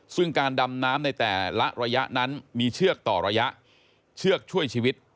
ซึ่งการดำน้ำในแต่ละระยะนั้นมีเชือกต่อระยะเชือกช่วยชีวิต